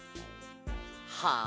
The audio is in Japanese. はあ？